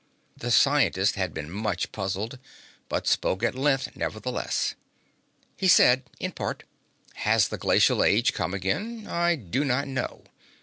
The scientist had been much puzzled, but spoke at length nevertheless. He said in part: Has the glacial age come again? I do not know.